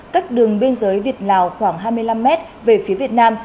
cách đường biên giới việt lào khoảng hai mươi năm mét về phía việt nam